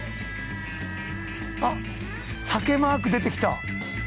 あっ、酒マーク出てきた。